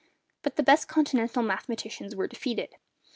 But the best Continental mathematicians were defeated.